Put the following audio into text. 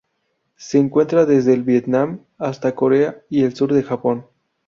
Se encuentra desde el Vietnam hasta Corea y el sur del Japón.